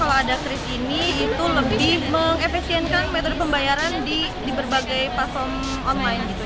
kalau ada kris ini itu lebih mengefisienkan metode pembayaran di berbagai platform online gitu